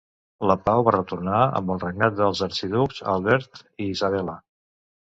La pau va retornar amb els regnats dels arxiducs Albert i Isabela.